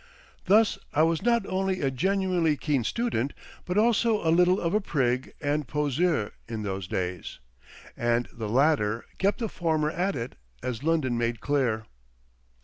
Thus I was not only a genuinely keen student, but also a little of a prig and poseur in those days—and the latter kept the former at it, as London made clear.